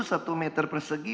satu meter persegi